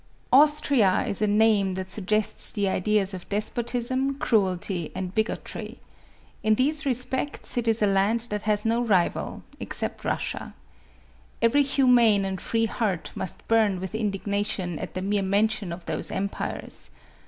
AUSTRIA is a name that suggests the ideas of despot ism, cruelty and bigotry. In these respects, it is a land that has no rival, except Russia. Every humane and free heart must burn with indignation at the mere men tion of those Empires.